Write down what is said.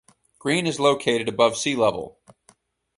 Green is located above sea-level.